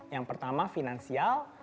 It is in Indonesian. yang pertama finansial